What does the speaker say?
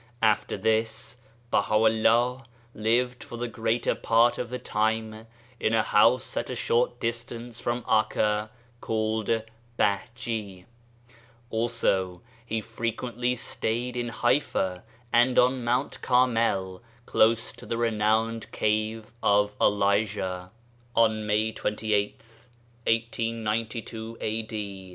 After this Baha' u' llah lived for the greater part of the time in a house at a short distance from Akka called Bah je, also he frequently stayed in Haifa and on Mount Carmel, close to the renowned Cave of Elijah. On May 28, 1892 A.D.